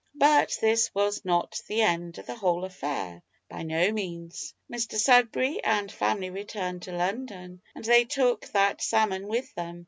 But this was not the end of the whole affair by no means. Mr Sudberry and family returned to London, and they took that salmon with them.